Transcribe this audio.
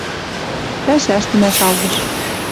Пӓшӓштӹнӓ шалгыш.